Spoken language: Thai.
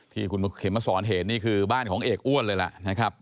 ที่คุณเข็มมาสอนเห็นนี่คือบ้านของเอกอ้วนเลยล่ะนะครับ